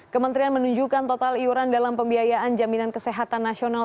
kementerian menunjukkan total iuran dalam pembiayaan jaminan kesehatan nasional